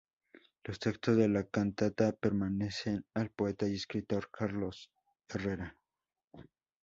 Los textos de la cantata pertenecen al poeta y escritor Carlos H. Herrera.